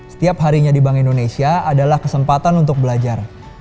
setiap harinya di bank indonesia adalah kesempatan untuk belajar